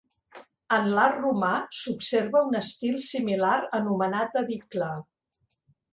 En l'art romà s'observa un estil similar anomenat edicle.